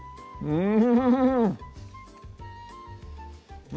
うん！